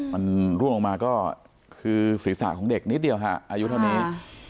มันร่วงลงมาก็คือศีรษะของเด็กนิดเดียวค่ะอายุเท่านี้